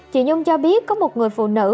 chị nhung cho biết có một người phụ nữ